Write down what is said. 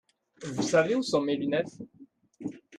Vous savez où sont mes lunettes ?